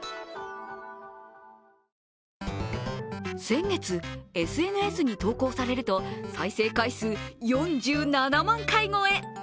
先月、ＳＮＳに投稿されると再生回数４７万回超え。